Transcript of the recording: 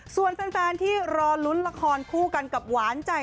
ส่วนแฟนที่รอลุ้นละครคู่กันกับหวานใจ